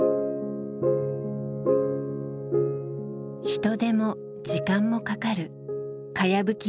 人手も時間もかかるかやぶき